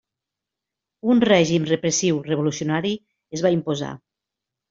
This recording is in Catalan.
Un règim repressiu revolucionari es va imposar.